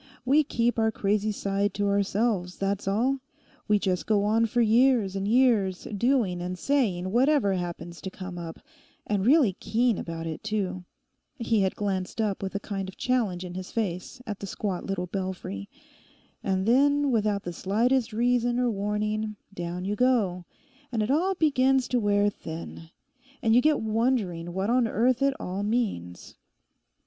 'We keep our crazy side to ourselves; that's all. We just go on for years and years doing and saying whatever happens to come up—and really keen about it too'—he had glanced up with a kind of challenge in his face at the squat little belfry—'and then, without the slightest reason or warning, down you go, and it all begins to wear thin, and you get wondering what on earth it all means.